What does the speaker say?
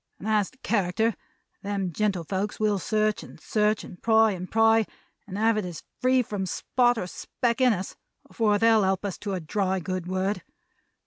As to character, them gentlefolks will search and search, and pry and pry, and have it as free from spot or speck in us, afore they'll help us to a dry good word!